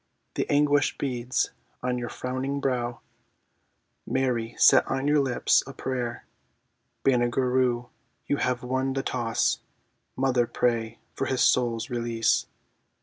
The anguish beads on your frowning brow; Mary set on your lips a prayer! Banagher Rhue, you have won the toss: (Mother, pray for his soul's release!)